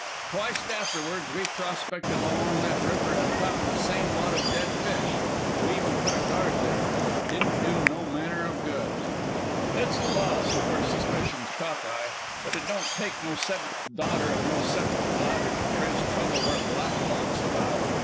Twicet afterward we prospected along that river and found the same lot of dead fish. We even put a guard there, but it didn't do no manner of good. "It's the Boss who first suspicions Cock eye. But it don't take no seventh daughter of no seventh daughter to trace trouble where Black lock's about.